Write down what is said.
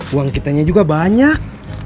uang kitanya juga banyak